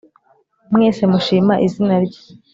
mwese mushima izina rye